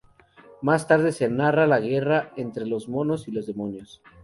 Más tarde se narra la guerra entre los monos y los demonios.